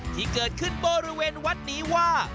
ที่เกิดขึ้นบริเวณวัดนี้ว่า